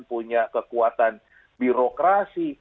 punya kekuatan birokrasi